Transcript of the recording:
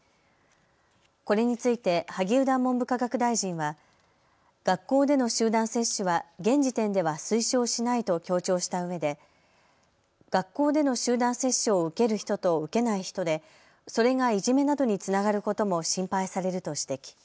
これについて萩生田文部科学大臣は学校での集団接種は現時点では推奨しないと強調したうえで学校での集団接種を受ける人と受けない人でそれがいじめなどにつながることも心配されると指摘。